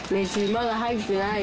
まだ入ってない。